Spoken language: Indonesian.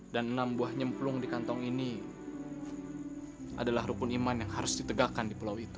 dan enam buah nyemplung di kantong ini adalah rukun iman yang harus ditegakkan di pulau itu